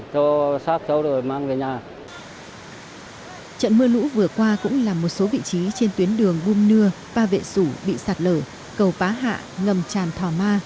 trận mưa lũ vừa qua cũng là một số vị trí trên tuyến đường gung nưa ba vệ sủ bị sạt lở cầu phá hạ ngầm tràn thỏa ma